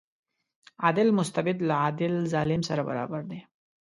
عادل مستبد له عادل ظالم سره برابر دی.